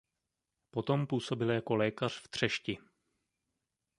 Potom působil jako lékař v Třešti.